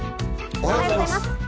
おはようございます。